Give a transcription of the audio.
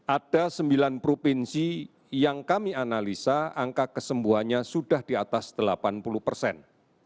ada sembilan provinsi yang kami analisa angka kesembuhannya sudah di atas delapan puluh persen